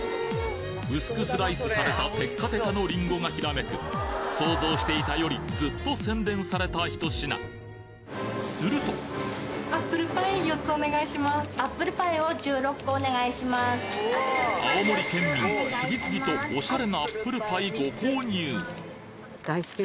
薄くスライスされたテッカテカのリンゴがきらめく想像していたよりずっと洗練されたひと品すると青森県民おいしい？